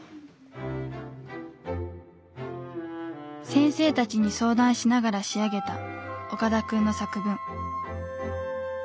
先生たちに相談しながら仕上げた岡田くんの作文。